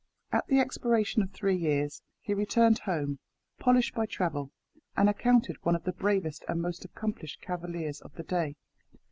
At the expiration of three years, he returned home, polished by travel, and accounted one of the bravest and most accomplished cavaliers of the day.